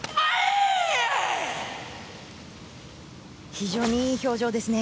非常にいい表情ですね。